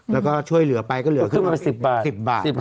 แล้วก็ช่วยเหลือไปก็เหลือขึ้นมา๑๐บาท๑๐บาท